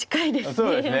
そうですね。